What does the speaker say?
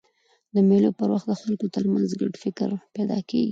د مېلو پر وخت د خلکو ترمنځ ګډ فکر پیدا کېږي.